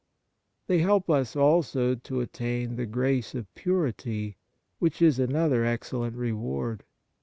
They help us also to attain the grace of purity, which is another excellent reward.